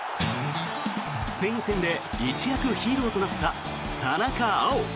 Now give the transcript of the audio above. スペイン戦で一躍ヒーローとなった田中碧。